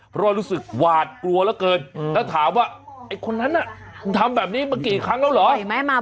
เพราะว่ารู้สึกหวาดกลัวเหลือเกินแล้วถามว่าไอ้คนนั้นน่ะคุณทำแบบนี้มากี่ครั้งแล้วเหรอ